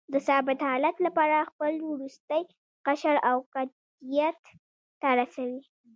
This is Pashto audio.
د ثابت حالت لپاره خپل وروستی قشر اوکتیت ته رسوي.